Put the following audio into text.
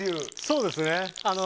そうですね。